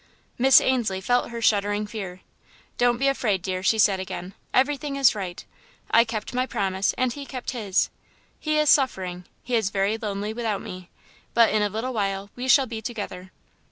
Miss Ainslie felt her shuddering fear. "Don't be afraid, dear," she said again, "everything is right. I kept my promise, and he kept his. He is suffering he is very lonely without me; but in a little while we shall be together."